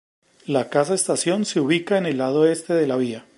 La casa estación se ubica en el lado este de la vía.